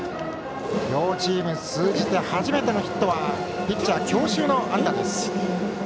両チーム通じて初めてのヒットはピッチャー強襲の安打です。